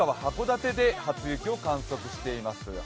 函館で初雪を観測しています。